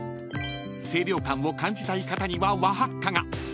［清涼感を感じたい方には和ハッカが］